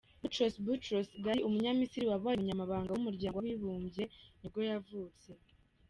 Boutros Boutros-Ghali, umunyamisiri wabaye umunyamabanga w’umuryango w’abibumbye wa nibwo yavutse.